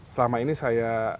selama ini saya